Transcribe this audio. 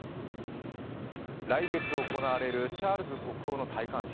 来月行われるチャールズ国王の戴冠式